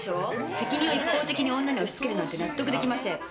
責任を一方的に女に押し付けるのは納得できません。